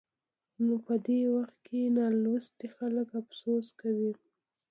نو په دې وخت کې نالوستي خلک افسوس کوي.